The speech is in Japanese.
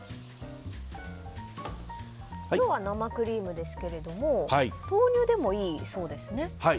今日は生クリームですけども豆乳でもいいそうですね。